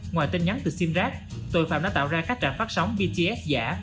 ngoài tin nhắn từ sim rác tội phạm đã tạo ra các trạm phát sóng bts giả